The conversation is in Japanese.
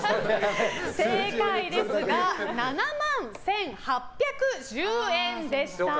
正解は、７万１８１０円でした。